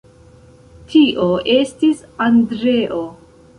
Tio estis Andreo.